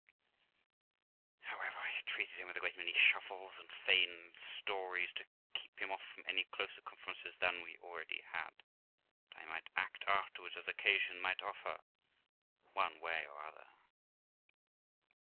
However, I treated him with a great many shuffles, and feigned stories to keep him off from any closer conferences than we had already had, that I might act afterwards as occasion might offer, one way or other.